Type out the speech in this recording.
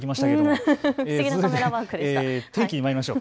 天気にまいりましょう。